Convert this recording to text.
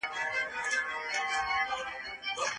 ایا څېړنه یوازي د زده کوونکو دنده ده؟